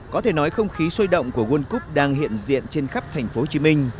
có thể nói không khí sôi động của world cup đang hiện diện trên khắp thành phố hồ chí minh